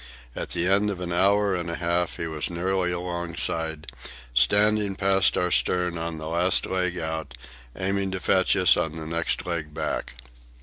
At the end of an hour and a half he was nearly alongside, standing past our stern on the last leg out, aiming to fetch us on the next leg back.